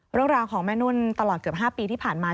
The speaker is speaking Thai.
เรื่องราวของแม่นุ่นตลอดเกือบ๕ปีที่ผ่านมา